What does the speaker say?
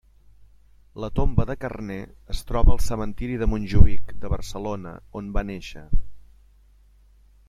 La tomba de Carner es troba al Cementiri de Montjuïc de Barcelona, on va néixer.